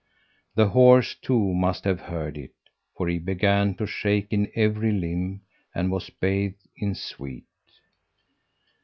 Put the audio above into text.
The horse, too, must have heard it, for he began to shake in every limb, and was bathed in sweat.